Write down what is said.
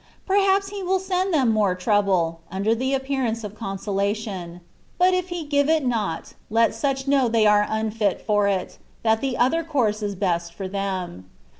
Perhaps He will send them more trouble, under the appearance of consolation : but if He give it not, let such know they are unfit for it, that the other course is best for them.